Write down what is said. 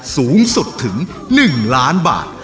สูงสุดถึง๑ล้านบาท